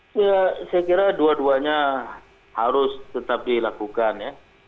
saya kira dua duanya harus tetap dilakukan ya